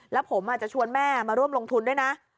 แล้วผมจะชวนแม่มาร่วมลงทุนด้วยนะ